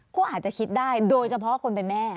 ก็อาจจะคิดได้โดยเฉพาะคนเป็นแม่